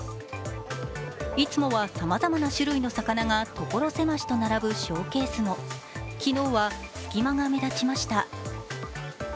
いつもはさまざまな種類の魚がところ狭しと並ぶショーケースも、昨日は隙間が目立ちました。